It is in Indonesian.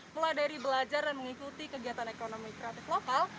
mulai dari belajar dan mengikuti kegiatan ekonomi kreatif lokal